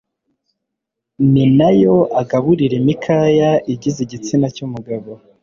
ni nayo agaburira imikaya igize igitsina cy'umugabo,